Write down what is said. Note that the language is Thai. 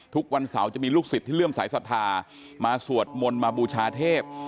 ทุกวันเสาร์จะมีลูกศิษย์ที่เลื่อมสายศรัทธามาสวดมนต์มาบูชาเทพ